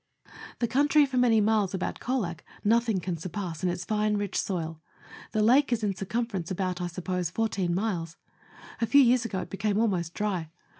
The country for many miles about Colac nothing can sur pass in its fine, rich soil. The lake is in circumference about, I suppose, 14 miles. A few years ago it became almost dry.